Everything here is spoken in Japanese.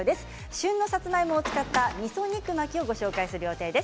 旬のさつまいもを使ったみそ肉巻きをご紹介する予定です。